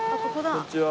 こんにちは。